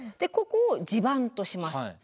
ここを地盤とします。